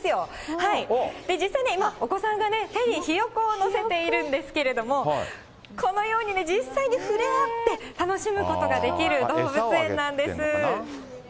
実際ね、今、お子さんがお子さんがね、手にひよこを乗せているんですけれども、このように実際に触れ合って楽しむことができる動物園なんです。